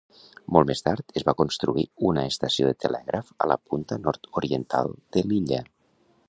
Molt més tard, es va construir una estació de telègraf a la punta nord-oriental de l'illa.